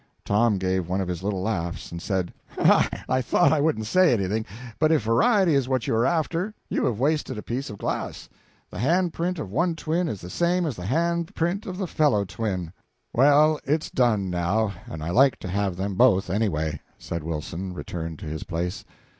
Tom gave one of his little laughs, and said "I thought I wouldn't say anything, but if variety is what you are after, you have wasted a piece of glass. The hand print of one twin is the same as the hand print of the fellow twin." "Well, it's done now, and I like to have them both, anyway," said Wilson, returning to his place.